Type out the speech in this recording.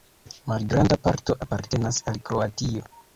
Malgranda parto apartenas al Kroatio.